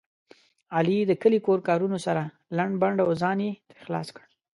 علي د کلي کور کارونه سره لنډ بنډ او ځان یې ترې خلاص کړ.